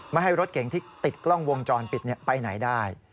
ไม่ให้รถเก่งที่ติดกล้องวงจรปิดไปไหนได้